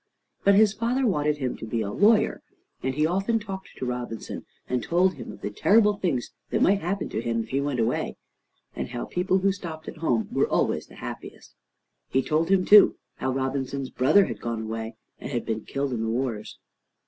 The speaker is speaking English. But his father wanted him to be a lawyer, and he often talked to Robinson, and told him of the terrible things that might happen to him if he went away, and how people who stopped at home were always the happiest. He told him, too, how Robinson's brother had gone away, and had been killed in the wars.